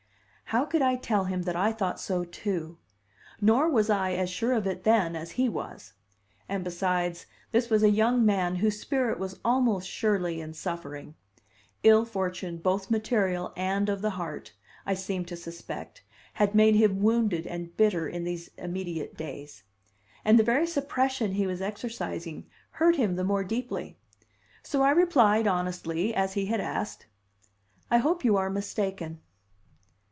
How could I tell him that I thought so, too? Nor was I as sure of it then as he was. And besides, this was a young man whose spirit was almost surely, in suffering; ill fortune both material and of the heart, I seemed to suspect, had made him wounded and bitter in these immediate days; and the very suppression he was exercising hurt him the more deeply. So I replied, honestly, as he had asked: "I hope you are mistaken."